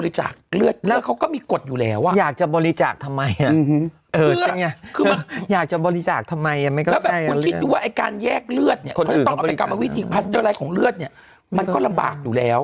บริจาคเลือดแล้วเขาก็มีกฎอยู่แล้วอ่ะอยากจะบริจาคทำไมอ่ะอยากจะบริจาคทำไมอ่ะไม่เข้าใจว่าไอ้การแยกเลือดเนี่ยเขาต้องเอาไปกำลังวิถีพัฒน์ด้วยอะไรของเลือดเนี่ยมันก็ลำบากอยู่แล้ว